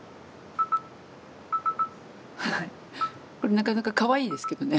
これなかなかかわいいですけどね。